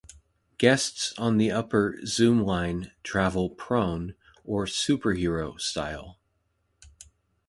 Guests on the upper "Zoomline" travel prone, or "superhero-style.